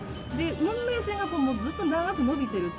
運命線がずっと長く伸びてる